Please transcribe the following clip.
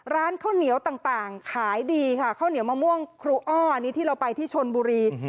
ร้านข้าวเหนียวต่างขายดีค่ะข้าวเหนียวมะม่วงครูอ้ออันนี้ที่เราไปที่ชนบุรี